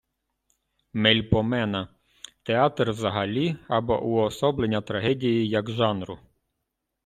Мельпомена - театр взагалі або уособлення трагедії як жанру